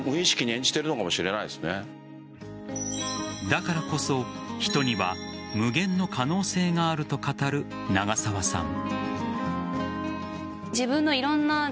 だからこそ人には無限の可能性があると語る長澤さん。